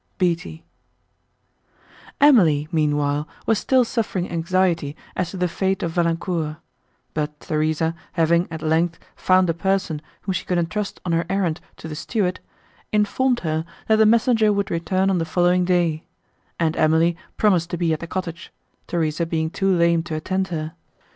BEATTIE Emily, meanwhile, was still suffering anxiety as to the fate of Valancourt; but Theresa, having, at length, found a person, whom she could entrust on her errand to the steward, informed her, that the messenger would return on the following day; and Emily promised to be at the cottage, Theresa being too lame to attend her.